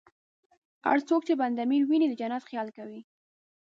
هر څوک چې بند امیر ویني، د جنت خیال کوي.